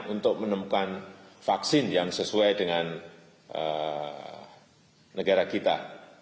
untuk menemukan vaksin yang sesuai dengan negara kita